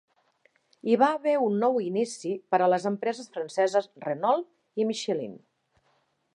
Hi va haver un nou inici per a les empreses franceses Renault i Michelin.